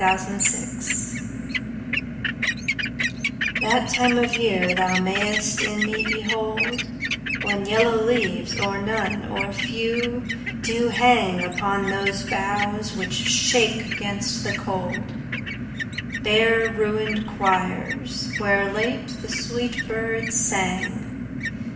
LXXIII That time of year thou mayst in me behold When yellow leaves, or none, or few, do hang Upon those boughs which shake against the cold, Bare ruin'd choirs, where late the sweet birds sang.